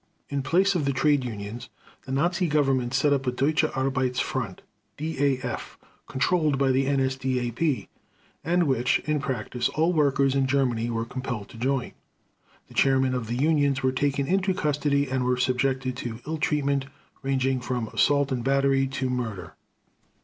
In place of the trade unions the Nazi Government set up a Deutsche Arbeits Front (DAF), controlled by the NSDAP, and which, in practice, all workers in Germany were compelled to join. The chairmen of the unions were taken into custody and were subjected to ill treatment, ranging from assault and battery to murder.